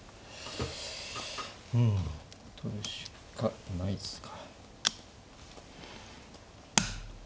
うん取るしかないっすか。